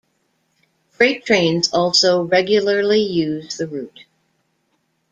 Freight trains also regularly use the route.